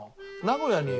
名古屋に。